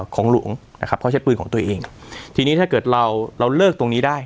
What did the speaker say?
ของหลวงนะครับเพราะใช้ปืนของตัวเองทีนี้ถ้าเกิดเราเราเลิกตรงนี้ได้